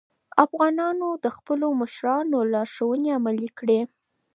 افغانانو د خپلو مشرانو لارښوونې عملي کړې.